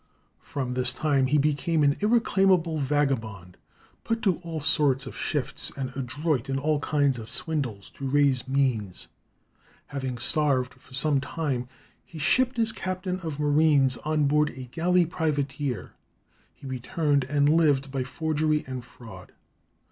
From this time he became an irreclaimable vagabond, put to all sorts of shifts, and adroit in all kinds of swindles, to raise means. Having starved for some time, he shipped as captain of marines on board a galley privateer. He returned and lived by forgery and fraud.